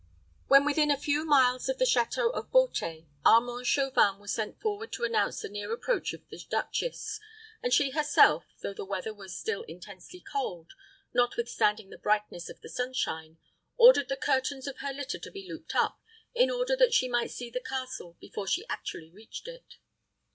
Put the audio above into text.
When within a few miles of the château of Beauté, Armand Chauvin was sent forward to announce the near approach of the duchess; and she herself, though the weather was still intensely cold, notwithstanding the brightness of the sunshine, ordered the curtains of the litter to be looped up, in order that she might see the castle before she actually reached it.